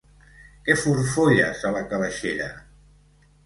Què forfolles a la calaixera?